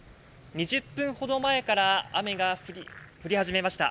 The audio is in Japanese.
２０分ほど前から雨が降り始めました。